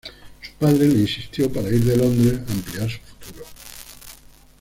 Su padre le insistió para ir de Londres a ampliar su futuro.